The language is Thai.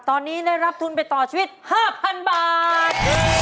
ตอนนี้ได้รับทุนไปต่อชีวิต๕๐๐๐บาท